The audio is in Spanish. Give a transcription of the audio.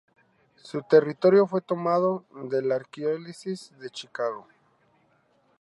Su territorio fue tomado de la Arquidiócesis de Chicago.